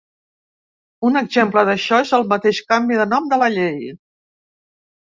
Un exemple d’això és el mateix canvi de nom de la llei.